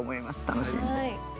楽しんで。